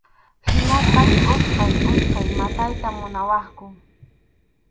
Hinaspas utqay utqay maqayta munawaqku.